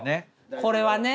これはね。